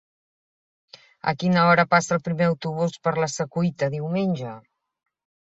A quina hora passa el primer autobús per la Secuita diumenge?